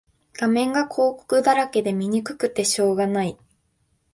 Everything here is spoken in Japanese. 画面が広告だらけで見にくくてしょうがない